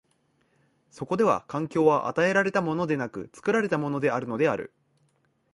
そこでは環境は与えられたものでなく、作られたものであるのである。